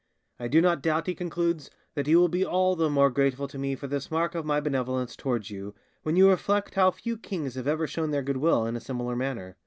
'I do not doubt,' he concludes, 'that you will be all the more grateful to me for this mark of my benevolence towards you, when you reflect how few kings have ever shown their goodwill in a similar manner.